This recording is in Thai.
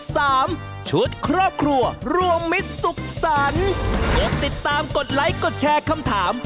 สามชุดครอบครัวรวมมิตรสุขสรรค์กดติดตามกดไลค์กดแชร์คำถาม